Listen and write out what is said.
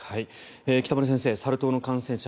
北村先生、サル痘の感染者